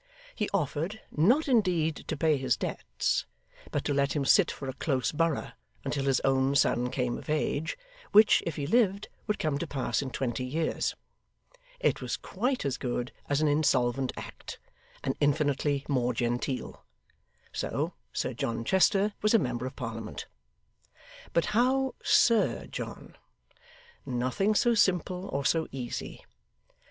He offered not indeed to pay his debts, but to let him sit for a close borough until his own son came of age, which, if he lived, would come to pass in twenty years. It was quite as good as an Insolvent Act, and infinitely more genteel. So Sir John Chester was a member of Parliament. But how Sir John? Nothing so simple, or so easy.